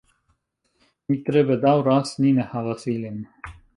Mi tre bedaŭras, ni ne havas ilin.